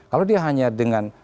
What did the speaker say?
kalau dia hanya dengan